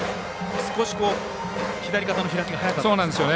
少し、左肩の開きが早かったですか。